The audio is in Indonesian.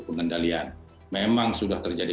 pengendalian memang sudah terjadi